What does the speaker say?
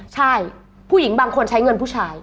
ใช่ผู้หญิงบางคนใช้เงินผู้ชาย